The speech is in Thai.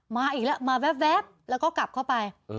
มาอีกแล้วมาแว๊บแล้วก็กลับเข้าไป